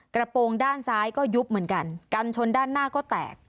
กระโปรงด้านซ้ายก็ยุบเหมือนกันกันชนด้านหน้าก็แตก